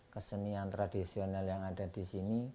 kesenian tradisional yang ada di sini